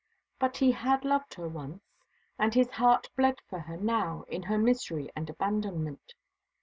But he had loved her once: and his heart bled for her now in her misery and abandonment.